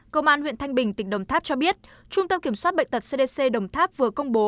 công an huyện thanh bình tỉnh đồng tháp cho biết trung tâm kiểm soát bệnh tật cdc đồng tháp vừa công bố